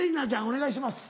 お願いします。